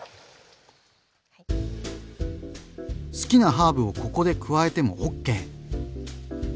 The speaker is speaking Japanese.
好きなハーブをここで加えてもＯＫ！